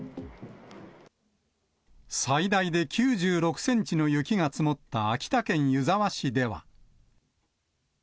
最大で９６センチの雪が積もった秋田県湯沢市では。